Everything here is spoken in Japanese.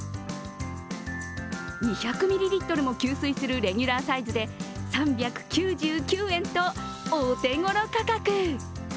２００ミリリットルも吸水するレギュラーサイズで３９９円とお手頃価格。